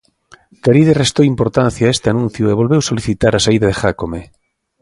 Caride restou importancia a este anuncio e volveu solicitar a saída de Jácome.